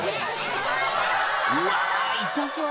うわー、痛そう。